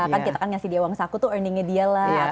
kan kita kan ngasih dia uang saku tuh earningnya dia lah